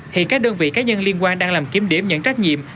hiện các đơn vị cá nhân liên quan đang làm kiểm điểm nhận trách nhiệm